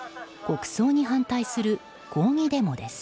国葬に反対する抗議デモです。